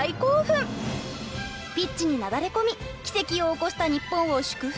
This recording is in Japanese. ピッチになだれ込み奇跡を起こした日本を祝福。